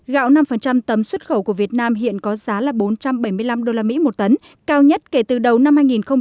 gạo năm tấm xuất khẩu của việt nam hiện có giá là bốn trăm bảy mươi năm usd một tấn cao nhất kể từ đầu năm hai nghìn một mươi tám